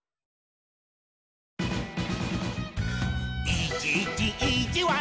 「いーじいじいーじわる」